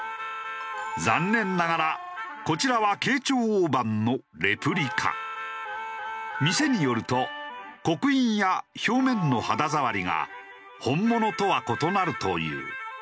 残念ながらこちらは店によると刻印や表面の肌触りが本物とは異なるという。